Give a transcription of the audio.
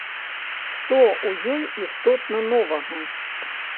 Што ў ёй істотна новага?